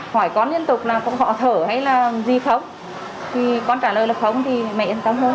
hỏi con liên tục là có khó thở hay là di khống khi con trả lời là không thì mẹ yên tâm thôi